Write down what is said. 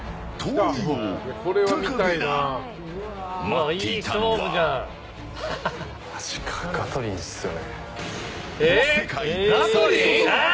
ガトリンっすよね。